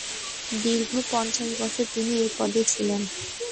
দীর্ঘ পঞ্চাশ বছর তিনি এই পদে ছিলেন।